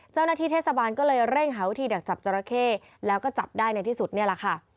เจ้าหน้าที่เทศบาลก็เลยเร่งหาวิธีดักจับจราเข้แล้วก็จับได้ในที่สุดนี่แหละค่ะ